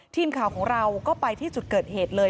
ทีมข่าวของเราก็ไปที่จุดเกิดเหตุเลย